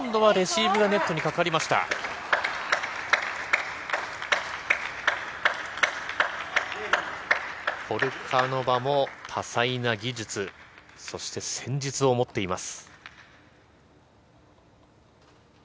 えポルカノバも多彩な技術、そして戦術を持っています。